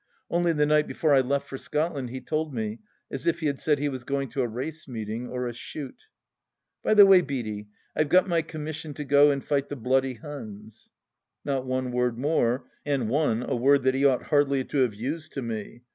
Only the night before I left for Scotland he told me, as if he had said he was going to a race meeting or a shoot. ..." By the way, Beaty, I've got my commission to go and fight the b y Huns." Not one word more, and one a word that he ought hardly to have used to me.